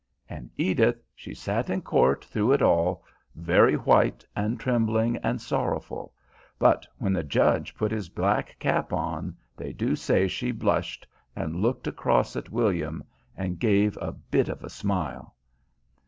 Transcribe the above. And Edith, she sat in court through it all, very white and trembling and sorrowful, but when the judge put his black cap on they do say she blushed and looked across at William and gave a bit of a smile.